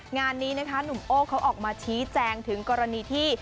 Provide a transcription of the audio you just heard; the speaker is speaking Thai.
งานนี้นะคะหนุ่มโอ้เขาออกมาชี้แจงถึงกรณีที่